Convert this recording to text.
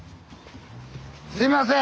すみません！